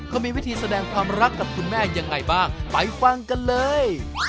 เขามีวิธีแสดงความรักกับคุณแม่ยังไงบ้างไปฟังกันเลย